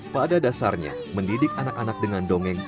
pada dasarnya mendidik anak anak dengan dongeng